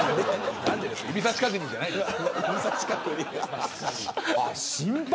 指さし確認じゃないんです。